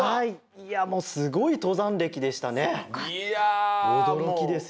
いやもうすごいとざんれきでしたね。